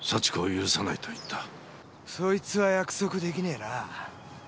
そいつは約束出来ねえな。